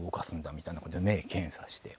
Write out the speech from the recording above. みたいな事で目検査して。